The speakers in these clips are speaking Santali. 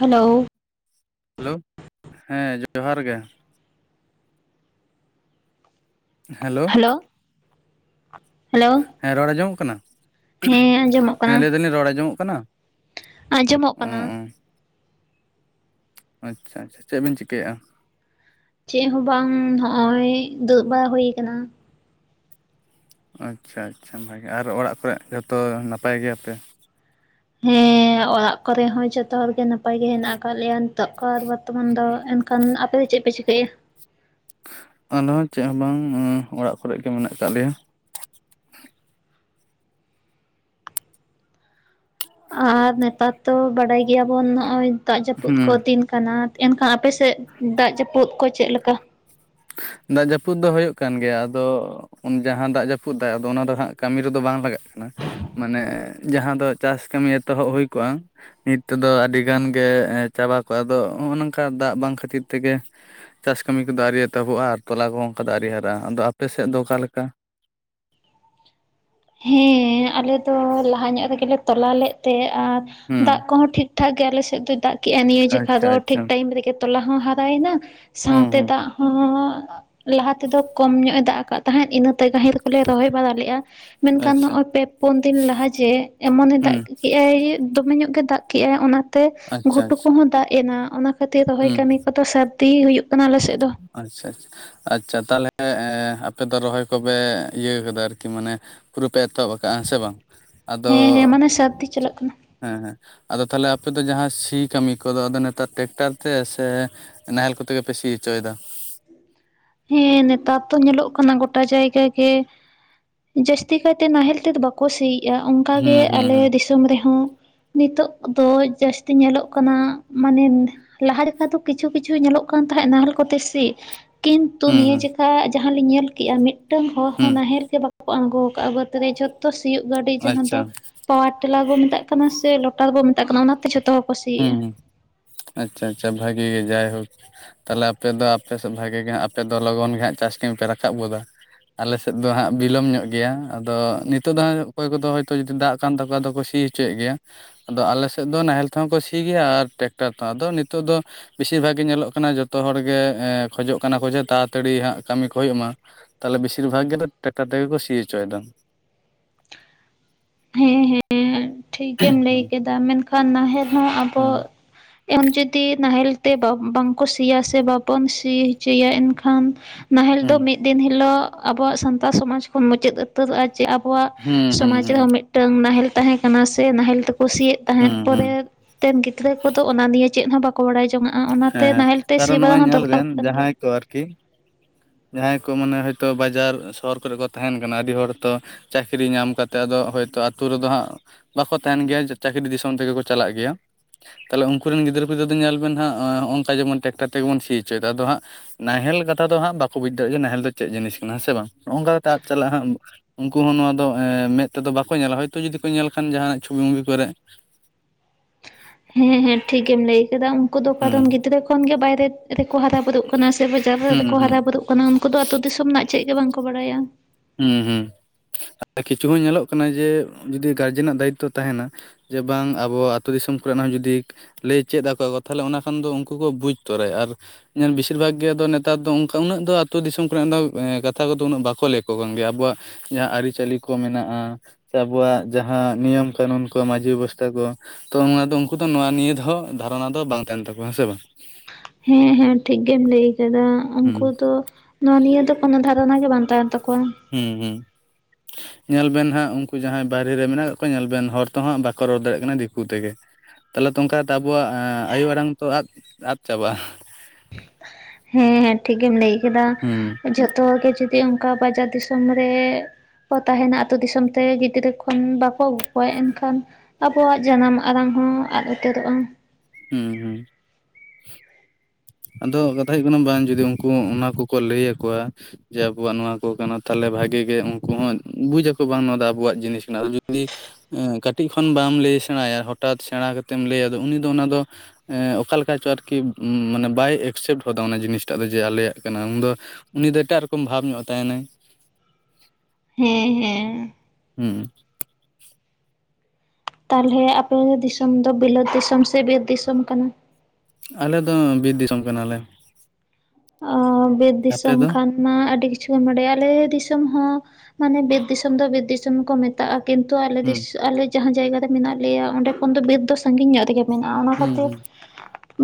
ᱦᱮᱞᱳ ᱦᱮᱞᱳ ᱦᱮᱸ ᱡᱚᱸᱦᱟᱨ ᱜᱮ ᱦᱮᱞᱳ ᱦᱮᱞᱳ ᱦᱮᱸ ᱨᱚᱲ ᱟᱸᱡᱚᱢᱚᱜ ᱠᱟᱱᱟ ᱦᱮᱸ ᱟᱸᱡᱚᱢᱚᱜ ᱦᱮᱸ ᱠᱟᱱᱟ ᱞᱟᱹᱭ ᱮᱫᱟᱞᱤᱧ ᱨᱚᱲ ᱟᱧᱡᱚᱢᱚᱜ ᱠᱟᱱᱟ? ᱟᱸᱡᱚᱢᱚᱜ ᱚ ᱠᱟᱱᱟ ᱚ ᱟᱪᱪᱷᱟ ᱟᱪᱪᱷᱟ ᱪᱮᱫ ᱵᱤᱱ ᱪᱤᱠᱟᱹᱭᱮᱫᱟ? ᱪᱮᱫ ᱦᱚᱸ ᱵᱟᱝ ᱱᱚᱜ ᱚᱭ ᱫᱩᱜ ᱵᱟᱲᱟ ᱦᱩᱭ ᱟᱠᱟᱱᱟ᱾ ᱟᱪᱷᱟ ᱟᱪᱷᱟ ᱵᱷᱟᱜᱮ ᱟᱨ ᱚᱲᱟᱜ ᱠᱚᱨᱮ ᱡᱚᱛᱚ ᱱᱟᱯᱟᱭ ᱜᱮᱭᱟᱯᱮ ᱦᱮᱸ ᱚᱲᱟᱜ ᱠᱚᱨᱮ ᱦᱚᱸ ᱡᱚᱛᱚ ᱦᱚᱲ ᱜᱮ ᱱᱟᱯᱟᱭ ᱜᱮ ᱦᱮᱱᱟᱜ ᱟᱠᱟᱫ ᱞᱮᱭᱟ ᱛᱚᱠᱷᱚᱱ ᱵᱚᱨᱛᱚᱢᱟᱱ ᱫᱚ ᱮᱱᱠᱷᱟᱱ ᱟᱯᱮᱫ ᱫᱚ ᱪᱮᱫ ᱯᱮ ᱪᱤᱠᱟᱹᱭᱟ ᱟᱞᱮ ᱦᱚᱸ ᱪᱮᱫ ᱦᱚᱸ ᱵᱟᱝ ᱚᱲᱟᱜ ᱠᱚᱨᱮᱜᱮ ᱢᱮᱱᱟᱜ ᱟᱠᱟᱫ ᱞᱮᱭᱟ ᱟᱨ ᱱᱮᱛᱟᱨ ᱫᱚ ᱵᱟᱰᱟᱭ ᱜᱮᱭᱟᱵᱚᱱ ᱱᱚᱜ -ᱚᱭ ᱫᱟᱜ ᱡᱟᱹᱯᱩᱫ ᱠᱚ ᱦᱩᱸ ᱫᱤᱱ ᱠᱟᱱᱟ ᱮᱱᱠᱷᱟᱱ ᱟᱯᱮᱥᱮᱫ ᱫᱟᱜ ᱡᱟᱹᱯᱩᱫ ᱠᱚ ᱪᱮᱫ ᱞᱮᱠᱟ ᱫᱟᱜ ᱡᱟᱹᱯᱩᱫ ᱫᱚ ᱦᱩᱭᱩᱜ ᱠᱟᱱ ᱜᱮᱭᱟ ᱟᱫᱚ ᱩᱱ ᱡᱟᱦᱟᱸ ᱫᱟᱜ ᱡᱟᱹᱯᱩᱫ ᱫᱟᱜ ᱟᱫᱚ ᱚᱱᱟ ᱫᱚ ᱦᱟᱸᱜ ᱠᱟᱹᱢᱤ ᱨᱮᱫᱚ ᱵᱟᱝ ᱞᱟᱜᱟᱜ ᱠᱟᱱᱟ ᱢᱟᱱᱮ ᱡᱟᱦᱟᱸ ᱫᱚ ᱪᱟᱥ ᱠᱟᱹᱢᱤ ᱮᱛᱚᱦᱚᱵ ᱦᱩᱭ ᱠᱚᱜᱼᱟ ᱱᱤᱛ ᱛᱮᱫᱚ ᱟᱹᱰᱤ ᱜᱟᱱ ᱜᱮ ᱪᱟᱵᱟ ᱠᱚᱜᱼᱟ ᱟᱫᱚ ᱱᱚᱜᱼᱚᱭ ᱱᱚᱝᱠᱟ ᱫᱟᱜ ᱵᱟᱝ ᱠᱷᱟᱹᱛᱤᱨ ᱛᱮᱜᱮ ᱪᱟᱥ ᱠᱟᱹᱢᱤ ᱠᱚᱫᱚ ᱟᱹᱣᱨᱤ ᱮᱛᱚᱵᱚᱜᱼᱟ ᱟᱨ ᱛᱚᱞᱟ ᱠᱚᱦᱚᱸ ᱚᱱᱠᱟ ᱫᱚ ᱟᱹᱣᱨᱤ ᱦᱟᱨᱟᱜᱼᱟ ᱟᱫᱚ ᱟᱯᱮ ᱥᱮᱫ ᱫᱚ ᱚᱠᱟᱞᱮᱠᱟ ᱦᱮᱸ ᱟᱞᱮ ᱫᱚ ᱞᱟᱦᱟ ᱧᱚᱜ ᱨᱮᱜᱮᱞᱮ ᱛᱚᱞᱟ ᱞᱮᱫ ᱛᱮ ᱟᱨ ᱫᱟᱜ ᱦᱩᱸ ᱠᱚᱦᱚᱸ ᱴᱷᱤᱠ ᱴᱷᱤᱠ ᱴᱷᱟᱠ ᱜᱮ ᱟᱞᱮᱥᱮᱫ ᱫᱚ ᱫᱟᱜ ᱠᱮᱜᱼᱟ ᱱᱤᱭᱟᱹ ᱡᱚᱠᱷᱟ ᱟᱪᱪᱷᱟ ᱫᱚ ᱟᱪᱪᱷᱟ ᱴᱷᱤᱠ ᱴᱟᱭᱤᱢ ᱨᱮᱜᱮ ᱛᱚᱞᱟ ᱦᱚᱸ ᱦᱟᱨᱟᱭᱮᱱᱟ ᱦᱩᱸ ᱥᱟᱶᱛᱮ ᱦᱩᱸ ᱫᱟᱜ ᱦᱚᱸ ᱞᱟᱦᱟ ᱛᱮᱫᱚ ᱠᱚᱢ ᱧᱚᱜ ᱮ ᱫᱟᱜ ᱟᱠᱟᱫ ᱛᱟᱦᱮᱸᱫ ᱤᱱᱟᱹᱛᱮ ᱨᱟᱹᱦᱤᱨ ᱠᱚᱞᱮ ᱨᱚᱦᱚᱭ ᱵᱟᱲᱟ ᱞᱮᱫᱼᱟ ᱢᱮᱱᱠᱷᱟᱱ ᱟᱪᱪᱷᱟ ᱱᱚᱜ-ᱚᱭ ᱯᱮ ᱯᱩᱱ ᱫᱤᱱ ᱞᱟᱦᱟ ᱡᱮ ᱮᱢᱚᱱᱮ ᱫᱟᱜ ᱦᱩᱸ ᱠᱮᱜᱼ ᱟᱭ ᱫᱚᱢᱮ ᱧᱚᱜ ᱜᱮ ᱫᱟᱜ ᱠᱮᱫ-ᱟᱭ ᱚᱱᱟᱛᱮ ᱟᱪᱪᱷᱟ ᱜᱷᱩᱴᱩ ᱟᱪᱪᱷᱟ ᱠᱚᱦᱚᱸ ᱫᱟᱜ ᱮᱱᱟ ᱚᱱᱟ ᱛᱮ ᱨᱚᱦᱚᱭ ᱦᱩᱸ ᱠᱟᱹᱢᱤ ᱠᱚᱫᱚ ᱥᱟᱹᱨᱫᱤ ᱦᱩᱭᱩᱜ ᱠᱟᱱᱟ ᱟᱞᱮ ᱥᱮᱫ ᱫᱚ ᱟᱪᱷᱟ ᱟᱪᱷᱟ ᱟᱪᱷᱟ ᱛᱟᱦᱚᱞᱮ ᱟᱯᱮᱫᱚ ᱨᱚᱦᱚᱭ ᱠᱚᱯᱮ ᱤᱭᱟᱹ ᱠᱟᱫᱟ ᱟᱨᱠᱤ ᱢᱟᱱᱮ ᱯᱩᱨᱟᱹ ᱯᱮ ᱮᱛᱚᱦᱚᱵ ᱟᱠᱟᱫ ᱦᱮᱸ ᱥᱮ ᱵᱟᱝ ᱟᱫᱚ ᱦᱮᱸ ᱦᱮᱸ ᱢᱟᱱᱮ ᱥᱟᱨᱛᱤ ᱪᱮᱫ ᱪᱟᱞᱟᱜ ᱠᱟᱱᱟ ᱦᱮᱸ ᱦᱮᱸ, ᱟᱫᱚ ᱛᱟᱦᱚᱞᱮ ᱟᱯᱮ ᱫᱚ ᱡᱟᱦᱟᱸ ᱥᱤ ᱠᱟᱹᱢᱤ ᱠᱚᱫᱚ ᱟᱫᱚ ᱱᱮᱛᱟᱨ ᱴᱮᱠᱴᱟᱨ ᱛᱮ ᱥᱮᱹᱹ ᱱᱟᱦᱮᱞ ᱠᱚᱛᱮ ᱜᱮᱯᱮ ᱥᱤ ᱦᱚᱪᱚᱭᱮᱫᱟ᱾ ᱦᱮᱸ ᱱᱮᱛᱟᱨ ᱫᱚ ᱧᱮᱞᱚᱜ ᱠᱟᱱᱟ ᱜᱚᱴᱟ ᱡᱟᱭᱜᱟ ᱜᱮ ᱡᱟᱹᱥᱛᱤ ᱠᱟᱭᱛᱮ ᱱᱟᱦᱮᱞ ᱛᱮᱫᱚ ᱵᱟᱠᱚ ᱥᱤᱭᱜᱼᱟ ᱚᱝᱠᱟᱜᱮ ᱦᱩᱸ ᱦᱩᱸ ᱟᱞᱮ ᱦᱩᱸ ᱫᱤᱥᱚᱢ ᱨᱮᱦᱚᱸ ᱱᱤᱛᱚᱜ ᱫᱚ ᱡᱟᱹᱥᱛᱤ ᱧᱮᱞᱚᱜ ᱠᱟᱱᱟ ᱢᱟᱱᱮ ᱞᱟᱦᱟ ᱞᱮᱠᱟ ᱫᱚ ᱠᱤᱪᱷᱩ ᱠᱤᱪᱷᱩ ᱧᱮᱞᱚᱜ ᱠᱟᱱ ᱛᱟᱦᱮᱸᱜ ᱱᱟᱦᱮᱞ ᱠᱚᱛᱮ ᱥᱤ ᱠᱤᱱᱛᱩ ᱦᱩᱸ ᱱᱤᱭᱟᱹ ᱦᱩᱸ ᱪᱮᱠᱟ ᱡᱟᱦᱟᱸ ᱞᱤᱧ ᱧᱮᱞ ᱠᱮᱜᱼᱟ ᱢᱤᱫᱴᱟᱝ ᱦᱚᱲ ᱦᱩᱸ ᱦᱚᱸ ᱱᱟᱦᱮᱞ ᱜᱮ ᱵᱟᱠᱩ ᱠᱚ ᱟᱬᱜᱚ ᱟᱠᱟᱫᱼᱟ ᱵᱟᱹᱫᱽ ᱨᱮ ᱡᱚᱛᱚ ᱥᱤᱭᱳᱜ ᱜᱟᱹᱰᱤ ᱡᱟᱦᱟᱸ ᱟᱪᱪᱷᱟ ᱫᱚ ᱯᱟ ᱴᱮᱞᱟᱨ ᱵᱚ ᱢᱮᱛᱟᱜ ᱠᱟᱱᱟ ᱥᱮ ᱞᱚᱴᱟᱨ ᱵᱚ ᱢᱮᱛᱟᱜ ᱠᱟᱱᱟ ᱚᱱᱟᱛᱮ ᱡᱚᱛᱚ ᱦᱚᱲ ᱠᱚ ᱥᱤᱭᱮᱜᱼᱟ ᱦᱩᱸ ᱟᱪᱷᱟ ᱟᱪᱷᱟ ᱵᱷᱟᱹᱜᱤ ᱡᱟᱭ ᱦᱳᱠ ᱛᱟᱦᱚᱞᱮ ᱟᱯᱮ ᱫᱚ ᱟᱯᱮᱥᱮᱫ ᱵᱷᱟᱹᱜᱤ ᱜᱮ ᱟᱯᱮ ᱫᱚ ᱞᱚᱜᱚᱱ ᱜᱮ ᱦᱟᱸᱜ ᱪᱟᱥ ᱠᱟᱹᱢᱤ ᱯᱮ ᱨᱟᱠᱟᱵ ᱜᱚᱫᱟ ᱟᱞᱮᱥᱮᱫ ᱫᱚ ᱦᱟᱸᱜ ᱵᱤᱞᱚᱢ ᱧᱚᱜ ᱜᱮᱭᱟ ᱟᱫᱚ ᱱᱤᱛᱚᱜ ᱫᱚ ᱦᱜ ᱚᱠᱚᱭ ᱠᱚᱫᱚ ᱦᱚᱭᱛᱚ ᱡᱫᱤ ᱫᱟᱜ ᱠᱟᱱ ᱛᱟᱠᱚᱣᱟ ᱟᱫᱚ ᱥᱤᱴᱹᱹ ᱢᱩᱪᱮᱫ ᱜᱮᱭᱟ ᱟᱫᱚ ᱟᱞᱮᱥᱮᱫ ᱫᱚ ᱱᱟᱦᱮᱞ ᱛᱮᱦᱚᱸ ᱠᱚ ᱥᱤ ᱜᱮᱭᱟ ᱟᱨ ᱴᱮᱠᱴᱟᱨ ᱛᱮᱦᱚᱸ ᱟᱫᱚ ᱱᱤᱛᱚᱜ ᱫᱚᱹᱹ ᱵᱮᱥᱤ ᱵᱷᱟᱜᱤ ᱧᱮᱞᱚᱜ ᱠᱟᱱᱟ ᱡᱚᱛᱚ ᱦᱚᱲᱜᱮ ᱠᱷᱚᱡᱚᱜ ᱠᱟᱱᱟ ᱠᱚ ᱡᱮ ᱛᱟᱲᱟ ᱛᱟᱲᱤ ᱦᱜ ᱠᱟᱹᱢᱤ ᱠᱚ ᱦᱩᱭᱩᱜ ᱢᱟ᱾ ᱛᱟᱦᱚᱞᱮ ᱵᱮᱥᱤᱨ ᱵᱷᱟᱜ ᱜᱮ ᱴᱨᱟᱠᱴᱟᱨ ᱛᱮᱜᱮ ᱠᱚ ᱥᱤ ᱦᱚᱪᱚᱭᱮᱫᱟ᱾ ᱦᱮᱸ ᱦᱮᱸ ᱴᱷᱤᱠ ᱜᱮᱢ ᱞᱟᱹᱭ ᱦᱩᱸ ᱠᱮᱫᱟ ᱢᱮᱱᱠᱷᱟᱱ ᱱᱟᱦᱮᱞ ᱦᱚᱸ ᱟᱵᱚ ᱦᱩᱸ ᱮᱢ ᱡᱚᱫᱤ ᱱᱟᱦᱮᱞ ᱛᱮ ᱵᱟᱝᱠᱚ ᱥᱤᱭᱟ ᱥᱮ ᱵᱟᱵᱚᱱ ᱥᱤ ᱦᱚᱪᱚᱭᱟ ᱮᱱᱠᱷᱟᱱ ᱱᱟᱦᱮᱞ ᱫᱚ ᱦᱩᱸ ᱢᱤᱫ ᱫᱤᱱ ᱦᱤᱞᱳᱜ ᱟᱵᱚᱣᱟᱜ ᱥᱟᱱᱛᱟ ᱥᱚᱢᱟᱡᱽ ᱠᱷᱚᱱ ᱢᱩᱪᱟᱹᱫ ᱩᱛᱟᱹᱨᱚᱜᱼᱟ᱾ ᱡᱮ ᱟᱵᱚᱣᱟᱜ ᱦᱩᱸ ᱥᱚᱢᱟᱡ ᱦᱩᱸ ᱨᱮᱦᱚᱸ ᱢᱤᱫᱴᱟᱝ ᱱᱟᱦᱮᱞ ᱛᱟᱦᱮᱸ ᱠᱟᱱᱟ ᱥᱮ ᱱᱟᱦᱮᱞ ᱛᱮᱠᱚᱹ ᱠᱩᱥᱤᱭᱮᱫ ᱛᱟᱦᱮᱸᱫ ᱦᱩᱸ ᱦᱩᱸ ᱯᱚᱨᱮᱛᱮᱱ ᱜᱤᱫᱽᱨᱟᱹ ᱠᱚᱫᱚ ᱚᱱᱟ ᱱᱤᱭᱮ ᱪᱮᱫ ᱦᱚᱸ ᱵᱟᱠᱚ ᱠᱚ ᱵᱟᱲᱟᱭ ᱡᱚᱝᱱᱟᱜᱼᱟ ᱚᱱᱟᱛᱮ ᱱᱟᱦᱮᱞ ᱛᱮ ᱥᱤ ᱵᱟᱲᱟ ᱦᱚᱸ ᱫᱚᱨᱠᱟᱨ ᱠᱟᱱ ᱜᱮᱭᱟ᱾ ᱛᱚ ᱟᱨᱠᱤ ᱡᱟᱦᱟᱸᱭ ᱠᱚ ᱢᱟᱱᱮ ᱦᱚᱳᱭᱛᱳ ᱵᱟᱡᱟᱨ ᱥᱚᱦᱚᱨ ᱠᱚᱨᱮ ᱠᱚ ᱛᱟᱦᱮᱱ ᱠᱟᱱᱟ ᱟᱹᱰᱤ ᱦᱚᱲ ᱛᱚᱹᱹ ᱪᱟᱹᱠᱨᱤ ᱧᱟᱢ ᱠᱟᱛᱮᱫ ᱟᱫᱚ ᱦᱳᱭᱛᱳ ᱟᱹᱛᱩᱳ ᱨᱮᱫᱚ ᱦᱟᱸᱜᱹᱹ ᱵᱟᱠᱚ ᱛᱟᱦᱮᱱ ᱜᱮᱭᱟ ᱪᱟᱹᱠᱨᱤ ᱫᱤᱥᱚᱢ ᱛᱮᱜᱮ ᱠᱚ ᱪᱟᱞᱟᱜ ᱜᱮᱭᱟ, ᱛᱟᱦᱞᱮ ᱩᱱᱠᱩ ᱨᱮᱱ ᱜᱤᱫᱽᱨᱟᱹ ᱯᱤᱫᱨᱟᱹ ᱫᱚ ᱧᱮᱞ ᱵᱮᱱ ᱦᱟᱸᱜᱹᱹ ᱱᱚᱜᱼ ᱱᱚᱠᱟ ᱡᱮᱢᱚᱱ ᱴᱮᱠᱴᱟᱨ ᱛᱮᱜᱮ ᱵᱚᱱ ᱥᱤ ᱦᱚᱪᱚᱭᱮᱫᱟ ᱟᱫᱚ ᱦᱟᱸᱜ ᱱᱟᱦᱮᱞ ᱠᱟᱛᱷᱟ ᱫᱚ ᱦᱟᱸᱜ ᱵᱟᱠᱚ ᱵᱩᱡᱽ ᱫᱟᱲᱮᱭᱟᱜ ᱡᱮ ᱱᱟᱦᱮᱞ ᱫᱚ ᱪᱮᱫ ᱡᱤᱱᱤᱥ ᱠᱟᱱᱟ ᱦᱮᱸ ᱥᱮ ᱵᱟᱝ ᱱᱚᱝᱠᱟ ᱠᱟᱛᱮ ᱟᱫ ᱪᱟᱞᱟᱜᱼᱟ ᱦᱟᱸᱜ ᱩᱱᱠᱩ ᱦᱚᱸ ᱱᱚᱣᱟ ᱫᱚ ᱢᱮᱫ ᱛᱮᱫᱚ ᱵᱟᱠᱚ ᱧᱮᱞᱟ, ᱦᱚᱭᱛᱳ ᱡᱩᱫᱤ ᱠᱚ ᱧᱮᱞ ᱠᱷᱟᱱ ᱡᱟᱦᱟᱱᱟᱜ ᱪᱷᱚᱵᱤ ᱢᱩᱵᱤ ᱠᱚᱨᱮᱜ᱾ ᱦᱮᱸ ᱦᱮᱸ ᱴᱷᱤᱠ ᱮᱢ ᱞᱟᱹᱭ ᱟᱠᱟᱫᱟ ᱩᱱᱠᱩ ᱫᱚ ᱦᱩᱸ ᱠᱟᱨᱚᱱ ᱜᱤᱫᱽᱨᱟᱹ ᱠᱷᱚᱱ ᱜᱮ ᱵᱟᱭᱨᱮ ᱨᱮᱠᱚ ᱦᱟᱨᱟᱜ ᱵᱩᱨᱩᱜ ᱠᱟᱱᱟ ᱥᱮ ᱵᱟᱡᱟᱨ ᱦᱩᱸ ᱨᱮᱠᱚ ᱦᱩᱸ ᱦᱟᱨᱟ ᱦᱩᱸ ᱵᱩᱨᱩᱜ ᱠᱟᱱᱟ ᱩᱱᱠᱩ ᱫᱚ ᱟᱫᱚ ᱟᱹᱛᱩ ᱫᱤᱥᱚᱢ ᱨᱮᱱᱟᱜ ᱪᱮᱫ ᱜᱮ ᱵᱟᱝᱠᱚ ᱵᱟᱲᱟᱭᱟ᱾ ᱦᱩᱸ ᱦᱩᱸ ᱠᱤᱪᱷᱩ ᱦᱚᱸ ᱧᱮᱞᱚᱜ ᱠᱟᱱᱟ ᱡᱮ ᱡᱩᱫᱤ ᱜᱟᱨᱡᱮᱱᱼᱟᱜ ᱫᱟᱭᱤᱛᱛᱚ ᱛᱟᱦᱮᱱᱟ ᱡᱮ ᱵᱟᱝ ᱟᱵᱚ ᱟᱹᱛᱩ ᱫᱤᱥᱚᱢ ᱠᱚᱨᱮᱱᱟᱜ ᱦᱚᱸ ᱡᱩᱫᱤ ᱞᱟᱹᱭ ᱪᱮᱫ ᱟᱠᱚᱣᱟ ᱠᱚ ᱛᱟᱦᱚᱞᱮ ᱚᱱᱟ ᱠᱷᱟᱱ ᱫᱚ ᱩᱱᱠᱩ ᱠᱚ ᱵᱩᱡᱽ ᱛᱚᱨᱟᱭᱟ᱾ ᱟᱨ ᱧᱮᱞ ᱵᱮᱥᱤᱨ ᱵᱷᱟᱜᱽ ᱜᱮ ᱟᱫᱚ ᱱᱮᱛᱟᱨ ᱫᱚ ᱚᱱᱠᱟ ᱩᱱᱟᱹᱜ ᱫᱚ ᱟᱹᱛᱩ ᱫᱤᱥᱚᱢ ᱠᱚᱨᱮᱱᱟᱜ ᱫᱚ ᱠᱟᱛᱷᱟ ᱠᱚᱫᱚ ᱩᱱᱟᱹᱜ ᱵᱟᱠᱚ ᱞᱮᱭᱼᱟ᱾ [unintelligible] ᱜᱮᱭᱟ ᱟᱵᱚᱣᱟᱜ ᱡᱟᱦᱟᱸ ᱟᱹᱨᱤᱪᱟᱹᱞᱤ ᱠᱚ ᱢᱮᱱᱟᱜᱼᱟ᱾ ᱥᱮ ᱟᱵᱚᱣᱟᱜ ᱡᱟᱦᱟᱸ ᱱᱤᱭᱚᱢ ᱠᱟᱹᱱᱩᱱ ᱠᱚ ᱢᱟᱺᱡᱷᱤ ᱵᱮᱵᱚᱥᱛᱷᱟ ᱠᱚ᱾ ᱛᱚ ᱚᱱᱟ ᱫᱚ ᱩᱱᱠᱩ ᱫᱚ ᱱᱚᱣᱟ ᱱᱤᱭᱟᱹ ᱫᱚ ᱫᱷᱟᱨᱚᱱᱟ ᱫᱚ ᱵᱟᱝ ᱛᱟᱦᱮᱱ ᱛᱟᱠᱚᱣᱟ᱾ ᱦᱮᱸ ᱥᱮ ᱵᱟᱝ? ᱦᱮᱸ ᱦᱮᱸ ᱴᱷᱤᱠ ᱜᱮᱢ ᱞᱟᱹᱭ ᱟᱠᱟᱫᱟ᱾ ᱦᱩᱸ ᱩᱱᱠᱩ ᱫᱚ ᱱᱚᱣᱟ ᱱᱤᱭᱟᱹ ᱫᱚ ᱠᱳᱱᱚ ᱫᱷᱟᱨᱚᱱᱟ ᱜᱮ ᱵᱟᱝᱟᱱ ᱛᱟᱦᱮᱱ ᱛᱟᱠᱚᱣᱟ᱾ ᱦᱮᱸ ᱦᱮᱸ ᱧᱮᱞ ᱵᱮᱱ ᱦᱟᱸᱜ ᱩᱱᱠᱩ ᱡᱟᱦᱟᱸᱭ ᱵᱟᱭᱨᱮ ᱨᱮ ᱢᱮᱱᱟᱜ ᱠᱟᱜ ᱠᱚᱣᱟ ᱧᱮᱞ ᱵᱮᱱ ᱦᱚᱲ ᱛᱚᱦᱟᱸᱜ ᱵᱟᱠᱚ ᱨᱚᱲ ᱫᱟᱲᱮᱭᱟᱜ ᱠᱟᱱᱟ ᱫᱤᱠᱩ ᱛᱮᱜᱮ᱾ ᱛᱟᱦᱚᱞᱮ ᱛᱚ ᱚᱱᱠᱟ ᱠᱟᱛᱮ ᱟᱵᱚᱣᱟᱜ ᱟᱭᱳ ᱟᱲᱟᱝ ᱛᱚ ᱟᱫ ᱟᱫ ᱪᱟᱵᱟᱜᱼᱟ᱾ ᱦᱮᱸ ᱦᱮᱸ ᱴᱷᱤᱠ ᱜᱮᱢ ᱞᱟᱹᱭ ᱠᱮᱫᱟ, ᱦᱩᱸ ᱡᱷᱚᱛᱚ ᱜᱮ ᱡᱚᱫᱤ ᱚᱱᱠᱟ ᱵᱟᱡᱟᱨ ᱫᱤᱥᱚᱢ ᱨᱮ ᱠᱚ ᱛᱟᱦᱮᱱᱟ ᱟᱹᱛᱩ ᱫᱤᱥᱚᱢ ᱛᱮ ᱜᱤᱫᱽᱨᱟᱹ ᱠᱷᱚᱱ ᱵᱟᱠᱚ ᱟᱹᱜᱩ ᱠᱚᱣᱟ ᱮᱱᱠᱷᱟᱱ᱾ ᱟᱵᱚᱣᱟᱜ ᱡᱟᱱᱟᱢ ᱟᱲᱟᱝ ᱦᱚᱸ ᱟᱫ ᱩᱛᱟᱹᱨᱚᱜᱼᱟ᱾ ᱦᱮᱸ ᱦᱮᱸ ᱟᱫᱚ ᱠᱟᱛᱷᱟ ᱦᱩᱭᱩᱜ ᱠᱟᱱᱟ ᱵᱟᱝ ᱡᱩᱫᱤ ᱩᱱᱠᱩ ᱚᱱᱟ ᱠᱚᱠᱚ ᱞᱟᱹᱭ ᱟᱠᱚᱣᱟ᱾ ᱡᱮ ᱟᱵᱚᱣᱟᱜ ᱱᱚᱣᱟ ᱠᱚ ᱠᱟᱱᱟ ᱛᱟᱦᱚᱞᱮ ᱵᱷᱟᱜᱤ ᱜᱮ ᱩᱱᱠᱩ ᱦᱚᱸ ᱵᱩᱡ ᱟᱠᱚ ᱵᱟᱝ ᱱᱚᱣᱟ ᱫᱚ ᱟᱵᱚᱣᱟᱜ ᱡᱤᱱᱤᱥ ᱠᱟᱱᱟ᱾ ᱟᱨ ᱡᱩᱫᱤ ᱮᱸ ᱠᱟᱹᱴᱤᱡ ᱠᱷᱚᱱ ᱵᱟᱢ ᱞᱟᱹᱭ ᱥᱮᱬᱟ ᱟᱭᱟ ᱦᱚᱴᱟᱛ ᱥᱮᱬᱟ ᱠᱟᱛᱮᱢ ᱞᱟᱹᱭᱼᱟ ᱩᱱᱤ ᱫᱚ ᱚᱱᱟ ᱫᱚ ᱮᱸ ᱚᱠᱟ ᱞᱮᱠᱟ ᱪᱚ ᱟᱨᱠᱤ ᱢᱟᱱᱮ ᱵᱟᱭ ᱮᱠᱥᱮᱯᱴ ᱦᱚᱫᱟ ᱚᱱᱟ ᱡᱤᱱᱤᱥ ᱴᱟᱜ ᱫᱚ ᱡᱮ ᱟᱞᱮᱭᱟᱜ ᱠᱟᱱᱟ ᱩᱱ ᱫᱚ ᱩᱱᱤ ᱫᱚ ᱮᱴᱟᱜ ᱨᱚᱠᱚᱢ ᱵᱷᱟᱵᱽ ᱧᱚᱜ ᱛᱟᱦᱮᱱᱟᱭ᱾ ᱦᱮᱸ ᱦᱮᱸ ᱦᱮᱸ ᱛᱟᱦᱚᱞᱮ ᱟᱯᱮ ᱫᱤᱥᱚᱢ ᱫᱚ ᱵᱤᱞᱟᱹᱛ ᱫᱤᱥᱚᱢ ᱥᱮ ᱵᱤᱨ ᱫᱤᱥᱚᱢ ᱠᱟᱱᱟ᱾ ᱟᱞᱮ ᱫᱚ ᱵᱤᱨ ᱫᱤᱥᱚᱢ ᱠᱟᱱᱟᱞᱮ᱾ ᱚ ᱵᱤᱨ ᱟᱯᱮ ᱫᱤᱥᱚᱢ ᱫᱚ ᱠᱷᱟᱱ ᱢᱟ ᱟᱹᱰᱤ ᱠᱤᱪᱷᱩ ᱮᱢ ᱵᱟᱰᱟᱭᱼᱟ ᱟᱞᱮ ᱫᱤᱥᱚᱢ ᱦᱚᱸ ᱢᱟᱱᱮ ᱵᱤᱨ ᱫᱤᱥᱚᱢ ᱫᱚ ᱵᱤᱨ ᱫᱤᱥᱚᱢ ᱠᱚ ᱢᱟᱱ ᱛᱟᱜᱼᱟ ᱠᱤᱱᱛᱩ ᱟᱞᱮ ᱦᱩᱸ ᱟᱞᱮ ᱡᱟᱦᱟᱸ ᱡᱟᱭᱜᱟ ᱨᱮ ᱢᱮᱱᱟᱜ ᱞᱮᱭᱟ ᱚᱸᱰᱮ ᱠᱷᱚᱱ ᱫᱚ ᱵᱤᱨ ᱫᱚ ᱥᱟᱺᱜᱤᱧ ᱧᱚᱜ ᱨᱮ ᱜᱮ ᱢᱮᱱᱟᱜᱼᱟ ᱚᱱᱟ ᱦᱩᱸ ᱠᱷᱟᱹᱛᱤᱨ ᱦᱩᱸ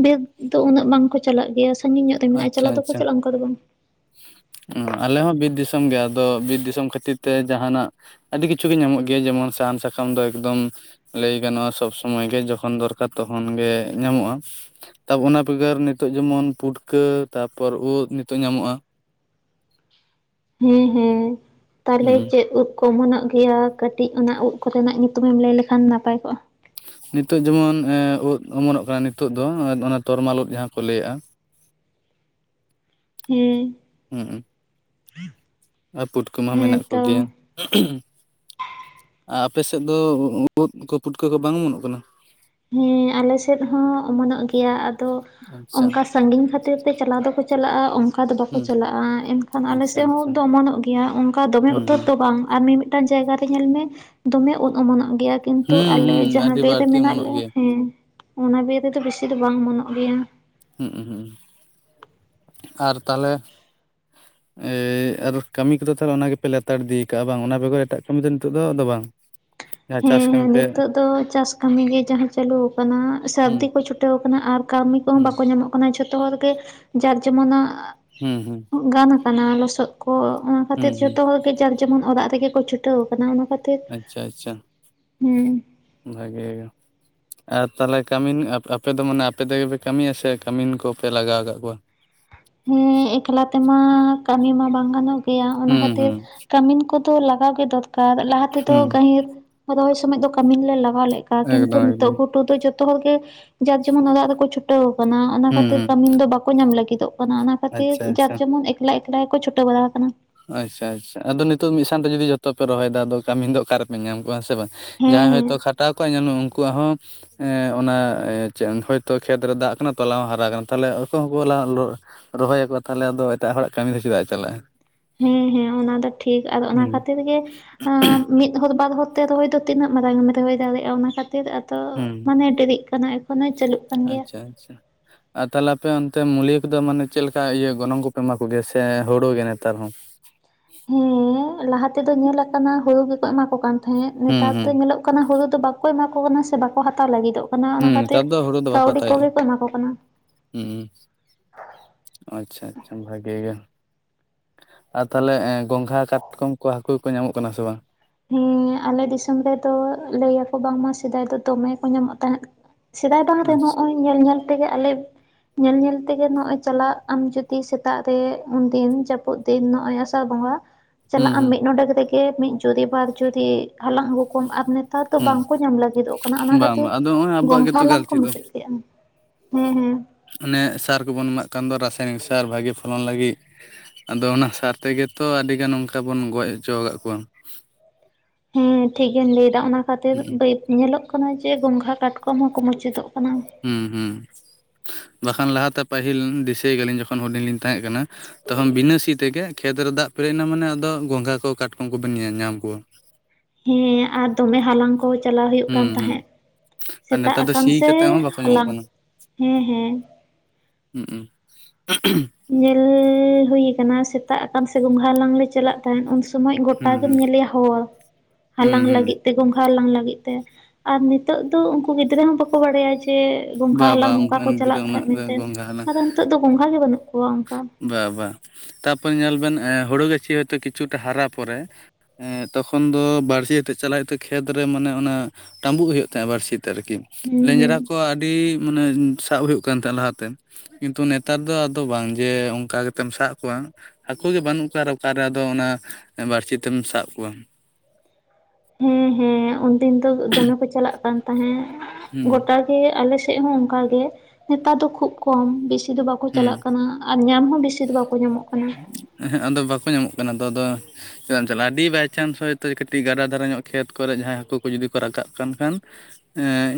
ᱵᱤᱨ ᱫᱚ ᱩᱱᱟᱹᱜ ᱵᱟᱝᱠᱚ ᱪᱟᱞᱟᱜ ᱜᱮᱭᱟ ᱥᱟᱺᱜᱤᱧ ᱧᱚᱜ ᱨᱮ ᱢᱮᱱᱟᱜᱼᱟ᱾ ᱟᱪᱪᱷᱟ ᱪᱟᱞᱟᱜ ᱫᱚᱠᱚ ᱟᱪᱪᱷᱟ ᱪᱟᱞᱼᱟ ᱚᱱᱠᱟ ᱫᱚ ᱵᱟᱝ᱾ [unintelligible] ᱟᱞᱮ ᱦᱚᱸ ᱵᱤᱨ ᱫᱤᱥᱚᱢ ᱜᱮ ᱟᱫᱚ ᱵᱤᱨ ᱫᱤᱥᱚᱢ ᱠᱷᱟᱹᱛᱤᱨ ᱛᱮ ᱡᱟᱦᱟᱱᱟᱜ ᱟᱹᱰᱤ ᱠᱤᱪᱷᱩ ᱜᱮ ᱧᱟᱢᱚᱜ ᱜᱮᱭᱟ ᱡᱮᱢᱚᱱ ᱥᱟᱦᱟᱱ ᱥᱟᱠᱟᱢ ᱫᱚ ᱮᱠᱫᱚᱢ ᱞᱟᱹᱭ ᱜᱟᱱᱚᱜᱼᱟ ᱥᱚᱵ ᱥᱚᱢᱚᱭᱜᱮ ᱡᱚᱠᱷᱚᱱ ᱫᱚᱨᱠᱟᱨ ᱛᱚᱠᱷᱚᱱ ᱜᱮ ᱧᱟᱢᱚᱜᱼᱟ ᱛᱟ ᱚᱱᱟ ᱵᱮᱜᱟᱨ ᱱᱤᱛᱳᱜ ᱡᱮᱢᱚᱱ ᱯᱩᱴᱠᱟᱹ ᱛᱟᱯᱚᱨ ᱩᱫ ᱱᱤᱛᱳᱜ ᱧᱟᱢᱚᱜᱼᱟ ᱦᱮᱸ ᱦᱮᱸ ᱛᱟᱦᱚᱞᱮ ᱦᱩᱸ ᱪᱮᱫ [unintelligible] ᱚᱢᱚᱱᱚᱜ ᱜᱮᱭᱟ ᱠᱟᱹᱴᱤᱡ ᱚᱱᱟ ᱩᱵ ᱠᱚᱨᱮᱱᱟᱜ ᱧᱩᱛᱩᱢᱮᱢ ᱞᱟᱹᱭ ᱞᱮᱠᱷᱟᱱ ᱱᱟᱯᱟᱭ ᱠᱚᱜᱼᱟ ᱱᱤᱛᱚᱜ ᱡᱮᱢᱚᱱ [unintelligible] ᱩᱫ ᱚᱢᱚᱱᱚᱜ ᱠᱟᱱᱟ ᱱᱤᱛᱚᱜ ᱫᱚ [unintelligible] ᱚᱱᱟ ᱛᱚᱨᱢᱟᱞ ᱩᱫ ᱡᱟᱦᱟᱸ ᱠᱚ ᱞᱟᱹᱭᱮᱜᱼᱟ [inaudible] ᱦᱮᱸ [inaudible] ᱦᱩᱸ ᱟᱨ ᱯᱩᱴᱠᱟᱹ ᱢᱟ ᱦᱮᱸ ᱢᱮᱱᱟᱜ ᱠᱩ ᱛᱚ ᱜᱮᱭᱟ [unintelligible] ᱟᱯᱮ ᱥᱮᱫ ᱫᱚ ᱩᱫ ᱠᱚ ᱯᱩᱴᱠᱟᱹ ᱠᱚ ᱵᱟᱝ ᱚᱢᱚᱱᱚᱜ ᱠᱟᱱᱟ ᱦᱮᱸ ᱟᱞᱮ ᱥᱮᱫ ᱦᱚᱸ ᱚᱢᱚᱱᱚᱜ ᱜᱮᱭᱟ ᱟᱫᱚ ᱟᱪᱪᱷᱟ ᱚᱱᱠᱟ ᱥᱟᱺᱜᱤᱧ ᱠᱷᱟᱹᱛᱤᱨ ᱛᱮ ᱪᱟᱞᱟᱣ ᱫᱚᱠᱚ ᱪᱟᱞᱟᱜᱼᱟ [unintelligible] ᱟᱫᱚ ᱵᱟᱠᱚ ᱦᱩᱸ ᱪᱟᱞᱟᱜᱼᱟ ᱮᱱᱠᱷᱟᱱ ᱟᱪᱪᱷᱟ ᱟᱞᱮᱥᱮᱫ ᱦᱚᱸ ᱟᱪᱪᱷᱟ ᱫᱚ ᱚᱢᱚᱱᱚᱜ ᱜᱮᱭᱟ ᱚᱱᱠᱟ ᱫᱚᱢᱮ ᱦᱩᱸ ᱩᱛᱟᱹᱨ ᱦᱩᱸ ᱫᱚ ᱵᱟᱝ ᱟᱨ ᱢᱤᱢᱤᱫ ᱢᱤᱫᱴᱟᱝ ᱡᱟᱭᱜᱟ ᱨᱮ ᱧᱮᱞ ᱢᱮ ᱫᱚᱢᱮ ᱩᱫ ᱚᱢᱚᱱᱚᱜ ᱜᱮᱭᱟ ᱠᱤᱱᱛᱩ ᱦᱩᱸ ᱟᱞᱮ ᱦᱩᱸ ᱡᱟᱦᱟᱸ ᱟᱹᱰᱤ ᱵᱤᱨ ᱨᱮ ᱵᱟᱹᱲᱛᱤ ᱢᱮᱱᱟᱜ ᱚᱢᱚᱱᱚᱜ ᱞᱮ [unintelligible] ᱜᱮᱭᱟ ᱦᱮᱸ ᱚᱱᱟ ᱵᱤᱨ ᱨᱮᱫᱚ ᱵᱮᱥᱤ ᱫᱚ ᱵᱟᱝ ᱚᱢᱚᱱᱚᱜ ᱜᱮᱭᱟ ᱦᱩᱸ [inaudible] ᱟᱨ ᱛᱟᱦᱚᱞᱮ ᱮᱸ ᱟᱨ ᱠᱟᱹᱢᱤ ᱠᱚᱫᱚ ᱛᱚ ᱚᱱᱟ ᱜᱮᱯᱮ ᱞᱮᱛᱟᱲ ᱤᱫᱤ ᱟᱠᱟᱜᱼᱟ ᱵᱟᱝ ᱚᱱᱟ ᱵᱮᱜᱚᱨ ᱮᱴᱟᱜ ᱠᱟᱹᱢᱤ ᱫᱚ ᱱᱤᱛᱚᱜ ᱫᱚ ᱵᱟᱝ [unintelligible] ᱪᱟᱥ ᱦᱮᱸ ᱠᱟᱹᱢᱤ ᱦᱮᱸ ᱯᱮ ᱱᱤᱛᱚᱜ ᱫᱚ ᱪᱟᱥ ᱠᱟᱹᱢᱤ ᱜᱮ ᱡᱟᱦᱟᱸ ᱪᱟᱞᱩ ᱟᱠᱟᱱᱟ ᱦᱩᱸ ᱥᱟᱹᱨᱫᱤ ᱠᱚ ᱪᱷᱩᱴᱟᱹᱣ ᱟᱠᱟᱱᱟ ᱟᱨ ᱠᱟᱹᱢᱤ ᱠᱚᱦᱚᱸ ᱦᱩᱸ ᱵᱟᱠᱚ ᱧᱟᱢᱚᱜ ᱠᱟᱱᱟ ᱡᱷᱚᱛᱚ ᱦᱚᱲᱜᱮ ᱡᱟᱨ ᱡᱮᱢᱚᱱᱟᱜ ᱦᱩᱸᱦᱩᱸ ᱜᱟᱱ ᱟᱠᱟᱱᱟ ᱞᱚᱥᱚᱫ ᱠᱚ ᱚᱱᱟ ᱦᱩᱸ ᱠᱷᱟᱹᱛᱤᱨ ᱦᱩᱸ ᱡᱚᱛᱚ ᱦᱚᱲ ᱡᱟᱨ ᱡᱮᱢᱚᱱ ᱚᱲᱟᱜ ᱨᱮᱜᱮ ᱠᱚ ᱪᱷᱩᱴᱟᱹᱣ ᱟᱠᱟᱱᱟ ᱚᱱᱟ ᱠᱷᱟᱹᱛᱤᱨ ᱟᱪᱷᱟ ᱟᱪᱷᱟ ᱦᱮᱸ ᱵᱷᱟᱜᱮ ᱜᱮ ᱟᱨ ᱛᱟᱦᱚᱞᱮ ᱠᱟᱹᱢᱤᱱ ᱟᱯᱮ ᱫᱚ ᱢᱚᱱᱮ ᱟᱯᱮ ᱛᱮᱜᱮᱯᱮ ᱠᱟᱹᱢᱤᱭᱟ ᱥᱮ ᱠᱟᱹᱢᱤᱱ ᱠᱚᱯᱮ ᱞᱟᱜᱟᱣ ᱟᱠᱟᱫ ᱠᱚᱣᱟ ᱦᱮᱸ ᱮᱠᱞᱟ ᱛᱮᱢᱟ ᱠᱟᱹᱢᱤ ᱢᱟ ᱵᱟᱝ ᱜᱟᱱᱚᱜ ᱜᱮᱭᱟ ᱚᱱᱟ ᱦᱩᱸ ᱠᱷᱟᱹᱛᱤᱨ ᱦᱩᱸ ᱠᱟᱹᱢᱤᱱ ᱠᱚ ᱛᱚ ᱞᱟᱜᱟᱣ ᱜᱮ ᱫᱚᱨᱠᱟᱨ ᱞᱟᱦᱟ ᱛᱮᱫᱚ ᱦᱩᱸ ᱜᱟᱹᱦᱤᱨ ᱨᱚᱦᱚᱭ ᱥᱚᱢᱚᱭ ᱫᱚ ᱠᱟᱹᱢᱤᱱ ᱞᱮ ᱞᱟᱜᱟᱣ ᱞᱮᱫᱠᱚᱣᱟ ᱠᱤᱱᱛᱩ ᱮᱠᱫᱚᱢ ᱱᱤᱛᱚᱜ ᱮᱠᱫᱚᱢ ᱜᱷᱩᱴᱩ ᱫᱚ ᱡᱚᱛᱚ ᱦᱚᱲ ᱜᱮ ᱡᱟᱨ ᱡᱮᱢᱚᱱ ᱚᱲᱟᱜ ᱨᱮᱠᱚ ᱪᱷᱩ [inaudible] ᱠᱟᱱᱟ ᱚᱱᱟ ᱦᱩᱸ ᱠᱷᱟᱹᱛᱤᱨ ᱦᱩᱸ ᱠᱟᱹᱢᱤᱱ ᱫᱚ ᱵᱟᱠᱚ ᱧᱟᱢ ᱞᱟᱹᱜᱤᱫᱚᱜ ᱠᱟᱱᱟ ᱚᱱᱟ ᱠᱷᱟᱹᱛᱤᱨ ᱟᱪᱪᱷᱟ ᱟᱪᱪᱷᱟ ᱡᱟᱨ ᱡᱮᱢᱚᱱ ᱮᱠᱞᱟᱭ ᱮᱠᱞᱟᱭ ᱠᱚ ᱪᱷᱩᱴᱟᱹᱣ ᱵᱟᱲᱟ ᱟᱠᱟᱱᱟ ᱟᱪᱷᱟ ᱟᱪᱷᱟ ᱟᱫᱚ ᱱᱤᱛᱚᱜ ᱢᱤᱫ ᱥᱟᱱᱛᱮ ᱡᱩᱫᱤ ᱡᱚᱛᱚ ᱯᱮ ᱨᱚᱦᱚᱭ ᱫᱟ ᱟᱫᱚ ᱠᱟᱹᱢᱤᱱ ᱫᱚ ᱚᱠᱟ ᱨᱮᱯᱮ ᱧᱟᱢ ᱠᱚᱣᱟ ᱦᱮᱸᱥᱮ ᱵᱟᱝ [inaudible] ᱦᱮᱸ ᱡᱟᱦᱟᱸᱭ ᱦᱮᱸ ᱦᱚᱭᱛᱳ ᱠᱷᱟᱴᱟᱣ ᱠᱚᱣᱟ ᱧᱮᱞᱢᱮ ᱩᱱᱠᱩᱣᱟᱜ ᱦᱚᱸ ᱦᱮᱸᱚᱱᱟ [inaudible] ᱦᱚᱭᱛᱚ ᱠᱷᱮᱛᱨᱮ ᱫᱟᱜ ᱟᱠᱟᱱᱟ ᱛᱚᱞᱟ ᱦᱚᱸ ᱦᱟᱨᱟ ᱠᱟᱱᱟ ᱛᱟᱦᱚᱞᱮ ᱟᱠᱚᱭ ᱦᱚᱸᱠᱚ ᱞᱟ [inaudible] ᱨᱚᱦᱚᱭᱟᱠᱚ ᱛᱟᱦᱚᱞᱮ ᱟᱫᱚ ᱮᱴᱟᱜ ᱦᱚᱲᱟᱜ ᱠᱟᱹᱢᱤ ᱫᱚ ᱪᱮᱫᱟᱜ ᱮ ᱪᱟᱞᱟᱜᱼᱟ ᱦᱮᱸ ᱦᱮᱸ ᱚᱱᱟ ᱫᱚ ᱴᱷᱤᱠ ᱟᱨ ᱚᱱᱟ ᱦᱩᱸ ᱠᱷᱟᱹᱛᱤᱨ ᱜᱮ ᱟᱨ ᱢᱤᱫ ᱦᱚᱲ ᱵᱟᱨ ᱦᱚᱲ ᱛᱮ ᱨᱚᱦᱚᱭ ᱫᱚ ᱛᱤᱱᱟᱹᱜ ᱢᱟᱨᱟᱝ ᱮᱢ ᱨᱚᱦᱚᱭ ᱫᱟᱲᱮᱭᱟᱜᱼᱟ ᱚᱱᱟ ᱠᱷᱟᱛᱤ ᱠᱷᱟᱹᱛᱤᱨ ᱟᱫᱚ ᱦᱩᱸ ᱢᱟᱱᱮ ᱰᱮᱨᱤᱜ ᱠᱟᱱᱟ ᱮᱠᱷᱚᱱᱚᱭ ᱪᱟᱹᱞᱩᱜ ᱠᱟᱱ ᱜᱮᱭᱟ [unintelligible] ᱟᱨ ᱛᱟᱦᱚᱞᱮ ᱟᱯᱮ ᱚᱱᱛᱮ ᱢᱩᱞᱭᱟᱹ ᱠᱚᱫᱚ ᱢᱟᱱᱮ ᱪᱮᱞᱮᱠᱟ ᱤᱭᱟᱹ ᱜᱚᱱᱚᱝ ᱠᱚᱯᱮ ᱮᱢᱟ ᱠᱚᱜᱮᱭᱟ ᱥᱮ ᱦᱩᱲᱩ ᱜᱮ ᱱᱮᱛᱟᱨ ᱦᱚᱸ ᱦᱮᱸ ᱞᱟᱦᱟ ᱛᱮᱫᱚ ᱧᱮᱞ ᱟᱠᱟᱱᱟ ᱦᱩᱲᱩ ᱜᱮᱠᱚ ᱮᱢᱟ ᱠᱚ ᱠᱟᱱ ᱛᱟᱦᱮᱸᱫ ᱦᱩᱸ ᱱᱮᱛᱟᱨ ᱫᱚ ᱦᱩᱸ ᱧᱮᱞᱚᱜ ᱦᱩᱲᱩ ᱫᱚ ᱵᱟᱠᱚ ᱮᱢᱟ ᱠᱚ ᱠᱟᱱᱟ ᱥᱮ ᱵᱟᱠᱚ ᱦᱟᱛᱟᱣ ᱞᱟᱹᱜᱤᱫᱼᱚᱜ ᱚᱱᱟ ᱚᱱᱟ ᱦᱩᱸ ᱠᱷᱟᱹᱛᱤᱨ ᱱᱮᱛᱟᱨ ᱫᱚ ᱦᱩᱲᱩ ᱫᱚ ᱵᱟᱠᱚ ᱠᱟᱹᱣᱰᱤ ᱦᱟᱛᱟᱣᱮᱫᱼᱟ ᱠᱚᱜᱮ ᱠᱚ ᱮᱢᱟ ᱠᱚ ᱠᱟᱱᱟ ᱦᱩᱸ ᱟᱪᱷᱟ ᱟᱪᱷᱟ ᱵᱷᱟᱜᱮ ᱜᱮ ᱟᱨ ᱛᱟᱦᱚᱞᱮ ᱮᱸ ᱜᱚᱝᱜᱟᱦᱟᱸ ᱠᱟᱴᱠᱚᱢ ᱠᱚ ᱦᱟᱹᱠᱩ ᱠᱚ ᱧᱟᱢᱚᱜ ᱠᱟᱱᱟ ᱥᱮ ᱵᱟᱝ ᱦᱮᱸ ᱟᱞᱮ ᱫᱤᱥᱚᱢ ᱨᱮᱫᱚ ᱞᱟᱹᱭᱟᱠᱚ ᱵᱟᱝᱢᱟ ᱥᱮᱫᱟᱭ ᱫᱚ ᱫᱚᱢᱮ ᱠᱚ ᱧᱟᱢᱚᱜ ᱛᱟᱦᱮᱸᱫ ᱥᱮᱫᱟᱭ ᱵᱟᱝ ᱨᱮ ᱟᱪᱪᱷᱟ ᱦᱚᱸ [unintelligible] ᱼᱚᱭ ᱧᱮᱞ ᱧᱮᱞ ᱛᱮᱜᱮ ᱟᱞᱮ ᱧᱮᱞ ᱧᱮᱞ ᱛᱮᱜᱮ ᱱᱚᱜ ᱚᱭ ᱪᱟᱞᱟᱜ ᱟᱢ ᱡᱩᱫᱤ ᱥᱮᱛᱟᱜ ᱨᱮ ᱩᱱᱫᱤᱱ ᱡᱟᱹᱯᱩᱫ ᱛᱤᱱ ᱱᱚᱜ-ᱚᱭ ᱟᱥᱟᱲ ᱵᱚᱸᱜᱟ ᱦᱩᱸ ᱪᱟᱞᱟᱜ ᱟᱢ ᱦᱩᱸ ᱢᱤᱫ ᱱᱚᱰᱮ ᱠᱟᱛᱮᱜ ᱜᱮ ᱢᱤᱫ ᱡᱩᱨᱤ ᱵᱟᱨ ᱡᱩᱨᱤ ᱦᱟᱞᱟᱝ ᱟᱹᱜᱩ ᱠᱚᱢ ᱟᱨ ᱱᱮᱛᱟᱨ ᱫᱚ ᱵᱟᱝᱠᱚ ᱧᱟᱢ ᱞᱟᱹᱜᱤᱫᱚᱜ ᱠᱟᱱᱟ ᱚᱱᱟ ᱦᱩᱸ ᱵᱟᱝ ᱠᱷᱟᱹᱛᱤᱨ ᱵᱟᱝ ᱟᱫᱚ ᱱᱚᱜᱼᱚᱭ ᱟᱵᱚᱣᱟᱜ ᱜᱮᱛᱚ ᱜᱚᱝᱜᱷᱟᱞᱟᱝ ᱠᱚ ᱜᱟᱹᱞᱛᱤ ᱫᱚ ᱢᱩᱪᱟᱹᱫ ᱠᱮᱫᱼᱟ ᱦᱮᱸ ᱦᱮᱸ ᱚᱱᱮ ᱥᱟᱨ ᱠᱚᱵᱚᱱ ᱮᱢᱟᱜ ᱠᱟᱱ ᱫᱚ ᱨᱟᱥᱟᱭᱱᱤᱠ ᱥᱟᱨ ᱵᱷᱟᱹᱜᱤ ᱯᱷᱚᱞᱚᱱ ᱞᱟᱹᱜᱤᱫ᱾ ᱟᱫᱚ ᱚᱱᱟ ᱥᱟᱨ ᱛᱮᱜᱮ ᱛᱚ ᱟᱹᱰᱤᱜᱟᱱ ᱚᱱᱠᱟ ᱵᱚᱱ ᱜᱚᱡ ᱦᱚᱪᱚ ᱠᱟᱜ ᱠᱚᱣᱟ᱾ ᱦᱮᱸ ᱴᱷᱤᱠ ᱜᱮᱢ ᱞᱟᱹᱭᱮᱫᱟ ᱚᱱᱟ ᱠᱷᱟᱹᱛᱤᱨ ᱧᱮᱞᱚᱜ ᱠᱟᱱᱟ ᱡᱮ ᱜᱚᱝᱜᱷᱟ ᱠᱟᱴᱠᱚᱢ ᱦᱚᱸᱠᱚ ᱢᱩᱪᱟᱹᱫᱚᱜ ᱠᱟᱱᱟ ᱦᱩᱸ ᱦᱩᱸ ᱵᱟᱠᱷᱟᱱ ᱞᱟᱦᱟ ᱛᱮ ᱯᱟᱹᱦᱤᱞ ᱫᱤᱥᱟᱹᱭ ᱜᱮᱭᱟ ᱞᱤᱧ ᱡᱚᱠᱷᱚᱱ ᱦᱩᱰᱤᱧ ᱞᱤᱧ ᱛᱟᱦᱮᱸᱜ ᱠᱟᱱᱟ᱾ ᱛᱚᱠᱷᱚᱱ ᱵᱤᱱᱟᱹᱥᱤ ᱛᱮᱜᱮ ᱠᱷᱮᱛ ᱨᱮ ᱫᱟᱜ ᱯᱮᱨᱮᱡ ᱮᱱᱟ ᱢᱟᱱᱮ ᱟᱫᱚ ᱜᱚᱸᱜᱷᱟ ᱠᱚ ᱠᱟᱴᱠᱚᱢ ᱠᱚᱵᱮᱱ ᱧᱮᱞ ᱧᱟᱢ ᱠᱚᱣᱟ᱾ ᱦᱮᱸ ᱟᱨ ᱫᱚᱢᱮ ᱦᱟᱞᱟᱝ ᱠᱚ᱾ ᱪᱟᱞᱟᱣ ᱦᱩᱭᱩᱜ ᱦᱩᱸ ᱠᱟᱱ ᱦᱩᱸ ᱛᱟᱦᱮᱸᱜ ᱟᱨ ᱥᱮᱛᱟᱜ ᱱᱮᱛᱟᱨ ᱫᱚ ᱟᱠᱟᱱ ᱥᱤ ᱥᱮ ᱠᱟᱛᱮᱜ ᱦᱚᱸ ᱵᱟᱠᱚ ᱧᱟᱢᱚᱜ ᱦᱟᱞᱟᱝ ᱠᱟᱱᱟ ᱦᱮᱸ ᱦᱮᱸ ᱦᱩᱸ ᱧᱮᱞ ᱦᱩᱭ ᱠᱟᱱᱟ ᱥᱮᱛᱟᱜ ᱟᱠᱟᱱ ᱥᱮ ᱜᱚᱝᱜᱦᱟ ᱦᱟᱞᱟᱝ ᱞᱮ ᱪᱟᱞᱟᱜ ᱛᱟᱭᱚᱢ ᱩᱱ ᱥᱚᱢᱚᱭ ᱜᱚᱴᱟ ᱦᱩᱸ ᱜᱮᱢ ᱦᱩᱸ ᱧᱮᱞᱮᱭᱟ ᱦᱚᱲ ᱦᱩᱸ ᱦᱟᱞᱟᱝ ᱦᱩᱸ ᱞᱟᱹᱜᱤᱫ ᱛᱮ ᱜᱚᱝᱜᱦᱟ ᱦᱟᱞᱟᱝ ᱞᱟᱹᱜᱤᱫ ᱛᱮ ᱟᱨ ᱱᱤᱛᱚᱜ ᱫᱚ ᱩᱱᱠᱩ ᱜᱤᱫᱽᱨᱟᱹ ᱦᱚᱸ ᱵᱟᱠᱚ ᱵᱟᱲᱟᱭᱟ ᱡᱮ ᱜᱚᱸᱜᱦᱟ ᱵᱟ ᱵᱟ ᱦᱟᱞᱟᱝ ᱱᱚᱝᱠᱟ ᱠᱚ ᱚᱱᱠᱟᱱ ᱜᱤᱫᱽᱨᱟᱹ ᱪᱟᱞᱟᱜ ᱛᱟᱦᱮᱸᱫ ᱩᱱᱟᱹᱜ ᱢᱮᱱᱛᱮ ᱜᱚᱝᱜᱷᱟ ᱟᱫᱚ ᱱᱤᱛᱚᱜ ᱫᱚ ᱜᱚᱸᱜᱦᱟ ᱜᱮ ᱵᱟᱹᱱᱩᱜ ᱠᱚᱣᱟ ᱚᱱᱠᱟ᱾ ᱵᱟ ᱵᱟ ᱛᱟᱯᱚᱨᱮ ᱧᱮᱞ ᱵᱮᱱ ᱦᱩᱲᱩ ᱜᱟᱹᱪᱷᱤ ᱦᱚᱛᱚ ᱠᱤᱪᱷᱩᱴᱟ ᱦᱟᱨᱟ ᱯᱚᱨᱮ ᱮᱸ ᱛᱚᱠᱷᱚᱱ ᱫᱚ ᱵᱟᱹᱲᱥᱤ ᱟᱛᱮᱫ ᱪᱟᱞᱟᱜ ᱦᱩᱭᱩᱜ ᱛᱟᱦᱮᱸᱫ ᱠᱷᱮᱛ ᱨᱮ ᱢᱟᱱᱮ ᱚᱱᱟ ᱴᱟᱵᱩᱜ ᱦᱩᱭᱩᱜ ᱛᱟᱦᱮᱸᱜ ᱵᱟᱨᱥᱤ ᱛᱮ ᱟᱨᱠᱤ ᱦᱩᱸ ᱦᱩᱸ ᱱᱤᱸᱡᱮᱨᱟ ᱠᱚ ᱟᱹᱰᱤ ᱢᱟᱱᱮ ᱥᱟᱵ ᱦᱩᱭᱩᱜ ᱠᱟᱱ ᱛᱟᱦᱮᱸᱫ ᱞᱟᱦᱟ ᱛᱮ ᱠᱤᱱᱛᱩ ᱱᱮᱛᱟᱨ ᱫᱚ ᱫᱚ ᱵᱟᱝ ᱡᱮ ᱚᱱᱠᱟ ᱠᱟᱛᱮᱢ ᱥᱟᱵ ᱠᱚᱣᱟ ᱦᱟᱹᱠᱩ ᱜᱮ ᱵᱟᱹᱱᱩᱜ ᱠᱚᱣᱟ ᱟᱨ ᱚᱠᱟᱨᱮ ᱟᱫᱚ ᱚᱱᱟ ᱵᱟᱹᱲᱛᱤ ᱛᱮᱢ ᱥᱟᱵ ᱠᱚᱣᱟ ᱦᱮᱸ ᱦᱮᱸ ᱩᱱᱫᱤᱱ ᱫᱚ ᱫᱚᱢᱮ ᱠᱚ ᱪᱟᱞᱟᱜ ᱠᱟᱱ ᱛᱟᱦᱮᱸᱫ ᱦᱩᱸ ᱜᱚᱴᱟ ᱟᱞᱮ ᱥᱮᱫ ᱦᱚᱸ ᱚᱱᱠᱟᱜᱮ ᱱᱮᱛᱟᱨ ᱫᱚ ᱠᱷᱩᱵ ᱠᱚᱢ ᱵᱮᱥᱤ ᱫᱚ ᱵᱟ ᱵᱟᱠᱚ ᱦᱩᱸ ᱪᱟᱞᱟᱜ ᱠᱟᱱᱟ ᱟᱨ ᱧᱟᱢ ᱦᱚᱸ ᱵᱮᱥᱤ ᱫᱚ ᱵᱟᱠᱚ ᱧᱟᱢᱚᱜ ᱠᱟᱱᱟ ᱟᱫᱚ ᱵᱟᱠᱚ ᱧᱟᱢᱚᱜ ᱠᱟᱱᱟ ᱛᱚ ᱟᱫᱚ ᱪᱮᱫᱟᱜ ᱮᱢ ᱪᱟᱞᱟᱜ-ᱟ ᱟᱹᱰᱤ ᱵᱟᱭᱪᱟᱱᱥ ᱦᱚᱭᱛᱳ ᱠᱟᱹᱴᱤᱡ ᱜᱟᱰᱟ ᱫᱷᱟᱨᱮ ᱧᱚᱜ ᱠᱷᱮᱛ ᱠᱚᱨᱮ ᱡᱟᱦᱟᱸᱭ ᱦᱟᱹᱠᱩ ᱠᱚ ᱡᱩᱫᱤ ᱠᱚ ᱨᱟᱠᱟᱵ ᱠᱟᱱ ᱠᱷᱟᱱ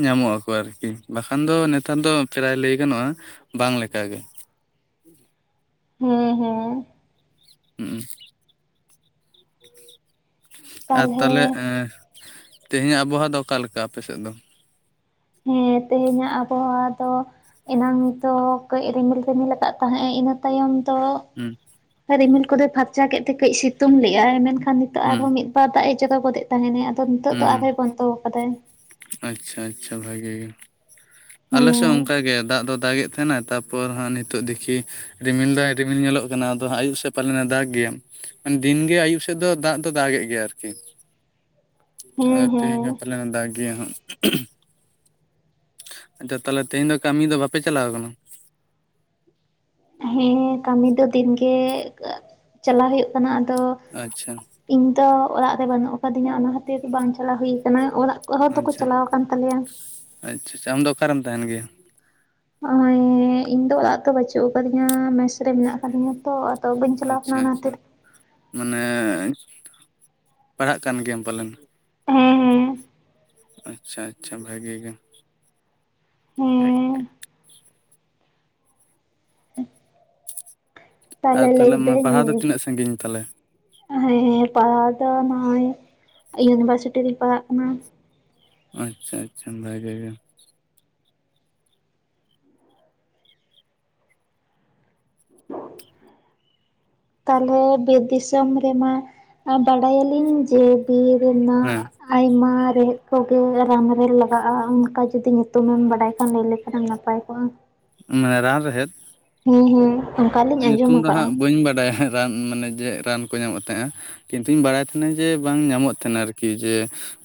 ᱧᱟᱢᱚᱜ ᱟᱠᱚ ᱟᱨᱠᱤ ᱵᱟᱠᱷᱟᱱ ᱫᱚ ᱱᱮᱛᱟᱨ ᱫᱚ ᱯᱨᱟᱭ ᱞᱟᱹᱭ ᱜᱟᱱᱚᱜᱼᱟ ᱵᱟᱝ ᱞᱮᱠᱟ᱾ ᱞᱮᱠᱟ ᱜᱮ ᱦᱩᱸ ᱦᱩᱸ ᱦᱩ ᱟᱨ ᱛᱟᱞᱦᱮ ᱛᱟᱦᱞᱮ ᱮᱸ ᱛᱮᱦᱮᱧᱟᱜ ᱟᱵᱚᱦᱟᱣᱟ ᱫᱚ ᱚᱠᱟ ᱞᱮᱠᱟ ᱟᱯᱮ ᱥᱮᱫ ᱫᱚ? ᱦᱮᱸ ᱛᱮᱦᱮᱧᱟᱜ ᱟᱵᱚᱦᱟᱣᱟ ᱫᱚ ᱮᱱᱟᱝ ᱫᱚ ᱠᱟᱹᱡ ᱨᱤᱢᱤᱞ ᱨᱤᱢᱤᱞ ᱟᱠᱟᱫ ᱛᱟᱦᱮᱸᱫ ᱤᱱᱟᱹ ᱛᱟᱭᱚᱢ ᱫᱚ ᱦᱮᱸ ᱨᱤᱢᱤᱞ ᱠᱚᱫᱚᱭ ᱯᱷᱟᱨᱪᱟ ᱠᱮᱫ ᱛᱮ ᱠᱟᱹᱡ ᱥᱤᱛᱩᱝ ᱞᱮᱜ-ᱟᱭ ᱢᱮᱱᱠᱷᱟᱱ ᱱᱤᱛᱚᱜ ᱦᱩᱸ ᱟᱨᱦᱚᱸ ᱢᱤᱫᱵᱟᱨ ᱫᱟᱜ ᱮ ᱡᱚᱨᱚ ᱜᱚᱫ ᱮᱫ ᱛᱟᱦᱮᱱᱟᱭ ᱟᱫᱚ ᱱᱤᱛᱚᱜ ᱫᱚ ᱦᱩᱸ ᱦᱩᱸ ᱟᱨᱦᱚᱭ ᱵᱚᱱᱫᱚ ᱟᱠᱟᱫᱟᱭ ᱟᱪᱪᱷᱟ ᱟᱪᱪᱷᱟ ᱵᱷᱟᱜᱤ ᱜᱮᱭᱟ ᱟᱞᱮᱥᱮᱫ ᱦᱮᱸ ᱚᱱ ᱠᱟ ᱜᱮ ᱫᱟᱜ ᱫᱚ ᱫᱟᱜᱮᱫ ᱛᱟᱦᱮᱸᱱᱟ ᱛᱟᱯᱚᱨ ᱦᱟᱸᱜ ᱱᱤᱛᱚᱜ ᱫᱤᱠᱷᱤ ᱨᱤᱢᱤᱞ ᱫᱟᱭ ᱨᱤᱢᱤᱞ ᱧᱮᱞᱚᱜ ᱠᱟᱱᱟ ᱟᱫᱚ ᱦᱟᱸᱜ ᱟᱭᱩᱵ ᱥᱮᱫ ᱯᱟᱞᱮᱱᱮ ᱫᱟᱜᱽ ᱜᱮᱭᱟᱢ ᱢᱟᱱ ᱫᱤᱱᱜᱮ ᱟᱭᱩᱵ ᱥᱮᱫ ᱫᱚ ᱫᱟᱜ ᱫᱚ ᱫᱟᱜ ᱮᱫ ᱜᱮᱭᱟᱭ ᱟᱨᱠᱤ᱾ ᱦᱮᱸ ᱟᱫᱚ ᱦᱮᱸ ᱛᱮᱦᱮᱧ ᱦᱚ ᱯᱟᱞᱮ ᱫᱟᱜ ᱜᱮᱭᱟ ᱦᱟᱸᱜ, ᱟᱫᱚ ᱛᱟᱦᱚᱞᱮ ᱛᱮᱦᱮᱧ ᱫᱚ ᱠᱟᱹᱢᱤ ᱫᱚ ᱵᱟᱯᱮ ᱪᱟᱞᱟᱣ ᱠᱟᱱᱟ᱾ ᱦᱮᱸ ᱠᱟᱹᱢᱤ ᱫᱚ ᱫᱤᱱᱜᱮ ᱪᱟᱞᱟᱣ ᱦᱩᱭᱩᱜ ᱠᱟᱱᱟ ᱟᱫᱚ, ᱟᱪᱪᱷᱟ ᱤᱧ ᱫᱚ ᱚᱲᱟᱜ ᱨᱮ ᱵᱟᱹᱱᱩᱜ ᱟᱠᱟ ᱫᱤᱧᱟ ᱚᱱᱟ ᱠᱷᱟᱹᱛᱤᱨ ᱵᱟᱝ ᱪᱟᱞᱟᱣ ᱦᱩᱭ ᱟᱠᱟᱱᱟ ᱚᱲᱟᱜ ᱦᱚᱲ ᱫᱚᱠᱚ ᱟᱪᱪᱷᱟ ᱪᱟᱞᱟᱣ ᱟᱠᱟᱱ ᱛᱟᱞᱮᱭᱟ ᱟᱪᱪᱷᱟ ᱟᱪᱪᱷᱟ ᱟᱢᱫᱚ ᱚᱠᱟᱨᱮᱢ ᱛᱟᱦᱮᱸᱱ ᱜᱮᱭᱟ? ᱱᱚᱜᱚᱭ ᱤᱧ ᱫᱚ ᱚᱲᱟᱜ ᱫᱚ ᱵᱟᱪᱩᱜ ᱟᱠᱟᱫᱤᱧᱟ ᱢᱮᱥ ᱨᱮ ᱢᱮᱱᱟᱜ ᱟᱠᱟ ᱫᱤᱧᱟ ᱛᱚ ᱵᱟᱹᱧ ᱪᱟᱞᱟᱣ ᱟᱪᱪᱷᱟ ᱟᱠᱟᱱᱟ ᱚᱱᱟ ᱟᱪᱪᱷᱟ ᱠᱷᱟᱹᱛᱤᱨ ᱢᱟᱱᱮ ᱯᱟᱲᱦᱟᱜ ᱠᱟᱱ ᱜᱮᱭᱟᱢ ᱯᱟᱞᱮᱱ ᱦᱮᱸ ᱟᱪᱪᱷᱟ ᱟᱪᱪᱷᱟ ᱵᱷᱟᱹᱜᱤ ᱜᱮ ᱦᱮᱸ ᱦᱮᱸ ᱟᱨ ᱛᱟᱦᱚᱞᱮ ᱢᱟᱱᱮ ᱯᱟᱲᱦᱟᱣ ᱫᱚ ᱛᱤᱱᱟᱹᱜ ᱥᱟᱺᱜᱤᱧ ᱛᱟᱞᱮ? ᱦᱮᱸ ᱯᱟᱲᱦᱟᱜ ᱫᱚ ᱱᱚᱜᱼᱚᱭ ᱤᱭᱩᱱᱤᱵᱷᱟᱨᱥᱤᱴᱤ ᱨᱤᱧ ᱯᱟᱲᱦᱟᱜ ᱠᱟᱱᱟ᱾ ᱟᱪᱪᱷᱟ ᱟᱪᱪᱷᱟ ᱵᱷᱟᱜᱮ ᱜᱮ᱾ [unintelligible] ᱛᱟᱦᱚᱞᱮ ᱵᱤᱨ ᱫᱤᱥᱚᱢ ᱨᱮᱢᱟ, ᱵᱟᱲᱟᱭᱟᱞᱤᱧ ᱡᱮ ᱵᱤᱨ ᱨᱮᱱᱟᱜ, ᱦᱮᱸ ᱟᱭᱢᱟ ᱨᱮᱦᱮᱫ ᱠᱚᱜᱮ ᱨᱟᱱ ᱨᱮ ᱞᱟᱜᱟᱜᱼᱟ᱾ ᱚᱱᱠᱟ ᱡᱩᱫᱤ ᱧᱩᱛᱩᱢᱮᱢ ᱵᱟᱰᱟᱭ ᱠᱷᱟᱱ ᱞᱟᱹᱭ ᱞᱮᱠᱷᱟᱱ, ᱟᱹᱰᱤ ᱱᱟᱯᱟᱭ ᱠᱚᱜ-ᱟ᱾ ᱚᱱᱮ ᱨᱟᱱ ᱨᱮᱦᱮᱫ? ᱦᱩᱸ ᱦᱩᱸ ᱧᱩᱛᱩᱢ ᱫᱚ ᱦᱟᱸᱜ ᱵᱟᱹᱧ ᱵᱟᱰᱟᱭᱟ ᱨᱟᱱ ᱢᱟᱱᱮ ᱡᱮ ᱨᱟᱱ ᱠᱚ ᱧᱟᱢᱚᱜ ᱛᱟᱦᱮᱸᱜ᱾ ᱠᱤᱱᱛᱩᱧ ᱵᱟᱲᱟᱭ ᱛᱟᱦᱮᱱᱟ᱾ ᱡᱮ ᱵᱟᱝ ᱧᱟᱢᱚᱜ ᱛᱟᱦᱮᱸᱱᱟ ᱟᱨᱠᱤ ᱡᱮ,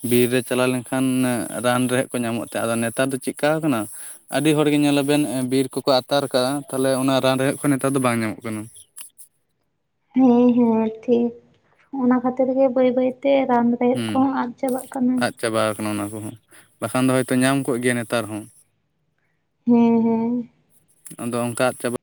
ᱵᱤᱨ ᱨᱮ ᱪᱟᱞᱟᱣ ᱞᱮᱱᱠᱷᱟᱱ ᱨᱟᱱ ᱨᱮᱦᱮ, ᱠᱚ ᱧᱟᱢᱚᱜ ᱛᱟᱦᱮ, ᱟᱫᱚ ᱱᱮᱛᱟᱨ ᱫᱚ ᱪᱮᱫᱠᱟ ᱟᱠᱟᱱᱟ, ᱟᱹᱰᱤ ᱦᱚᱲᱜᱮ ᱧᱮᱞᱟᱵᱮᱱ ᱵᱤᱨ ᱠᱚᱠᱚ ᱟᱛᱟᱨ ᱠᱟᱜ-ᱟ᱾ ᱛᱟᱦᱚᱞᱮ ᱚᱱᱟ ᱨᱟᱱ ᱨᱮᱦᱮᱫ ᱠᱚ, ᱱᱮᱛᱟᱨ ᱫᱚ ᱵᱟᱝ ᱧᱟᱢᱚᱜ ᱠᱟᱱᱟ᱾ ᱦᱮᱸ ᱦᱮᱸ ᱴᱷᱤᱠ ᱚᱱᱟ ᱠᱷᱟᱹᱛᱤᱨ ᱜᱮ ᱵᱟᱹᱭ ᱵᱟᱹᱭᱛᱮ ᱨᱟᱱ, ᱨᱮᱦᱮᱫ ᱠᱚᱦᱚᱸ ᱟᱫ ᱪᱟᱵᱟᱜ ᱠᱟᱱᱟ᱾ ᱪᱟᱵᱟᱣ ᱟᱠᱟᱱᱟ ᱚᱱᱟ ᱠᱚᱦᱚᱸ, ᱵᱟᱠᱷᱟᱱ ᱫᱚ ᱦᱚᱭᱛᱚ ᱧᱟᱢ ᱠᱚᱜ ᱜᱮᱭᱟ ᱱᱮᱛᱟᱨ ᱦᱚᱸ᱾ ᱦᱮᱸ ᱦᱮᱸ᱾ ᱟᱫᱚ ᱚᱱᱠᱟ ᱪᱟᱵᱟ᱾